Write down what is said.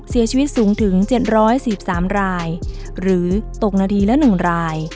เสียชีวิตสูงถึง๗๔๓รายหรือตกนาทีละ๑ราย